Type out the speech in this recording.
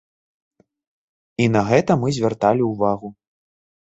І на гэта мы звярталі ўвагу.